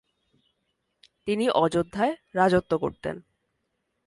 তিনি অযোধ্যায় রাজত্ব করতেন।